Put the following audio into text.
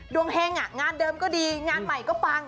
เฮงงานเดิมก็ดีงานใหม่ก็ปัง